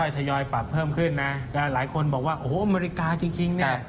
ทยอยปรับเพิ่มขึ้นนะก็หลายคนบอกว่าโอ้โหอเมริกาจริงเนี่ย